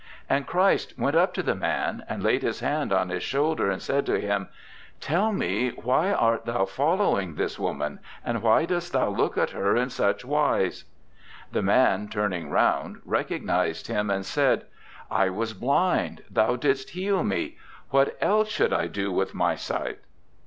And Christ went up to the man and laid His hand on his shoulder, and said to him, "Tell Me why art thou following this woman, and why dost thou look at her in such wise?" The man turning round recognized Him and said, "I was blind; Thou didst heal me; what else should I do with my sight?"